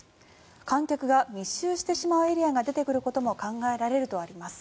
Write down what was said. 観客が密集してしまうエリアが出てしまうことも考えられるといいます。